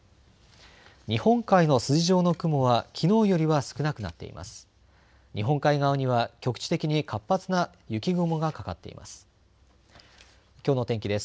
日本海の筋状の雲はきのうよりは少なくなっています。